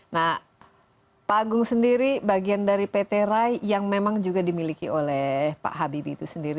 nah pak agung sendiri bagian dari pt rai yang memang juga dimiliki oleh pak habibie itu sendiri